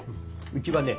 うちはね